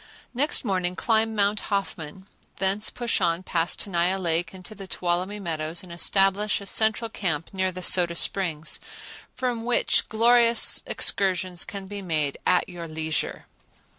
Next morning climb Mount Hoffman; thence push on past Tenaya Lake into the Tuolumne Meadows and establish a central camp near the Soda Springs, from which glorious excursions can be made at your leisure.